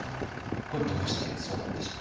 これどうしてそうなってしまったんですか？